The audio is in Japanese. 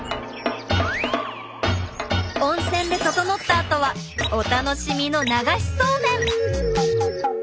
温泉で整ったあとはお楽しみの流しそうめん！